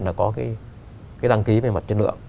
và có cái đăng ký về mặt chất lượng